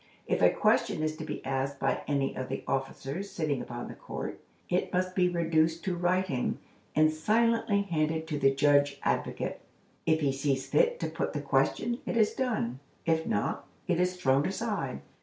If a question is to be asked by any of the officers sitting upon the court, it must be reduced to writing, and silently handed to the Judge Advocate. If he sees fit to put the question, it is done; if not, it is thrown aside.